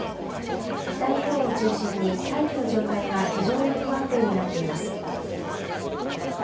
北日本を中心に大気の状態が非常に不安定になっています。